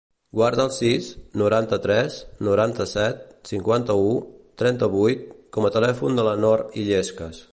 Guarda el sis, noranta-tres, noranta-set, cinquanta-u, trenta-vuit com a telèfon de la Nor Illescas.